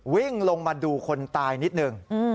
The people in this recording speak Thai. วิ่งลงมาดูคนตายนิดหนึ่ง